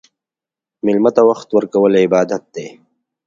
مېلمه ته وخت ورکول عبادت دی.